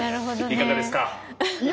いかがですか？